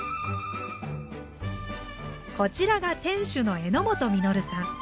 こちらが店主の榎本稔さん。